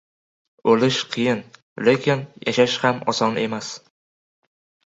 • O‘lish — qiyin, lekin yashash ham oson emas.